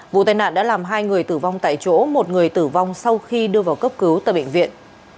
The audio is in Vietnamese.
vụ tai nạn đã làm hai người tử vong tại chỗ một người tử vong sau khi đưa vào cấp cứu tại bệnh viện